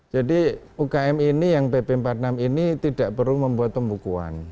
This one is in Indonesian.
jadi ukm ini yang pp empat puluh enam ini tidak perlu membuat pembukuan